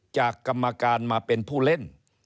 กรรมการมาเป็นผู้เล่น